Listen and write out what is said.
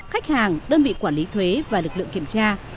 khách hàng đơn vị quản lý thuế và lực lượng kiểm tra